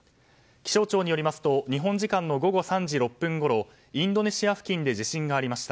気象庁によりますと日本時間の午後３時６分ごろインドネシア付近で地震がありました。